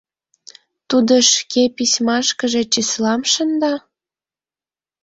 Тудо шке письмашкыже числам шында?